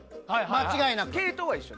間違いなく。